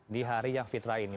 di hari yang fitrah ini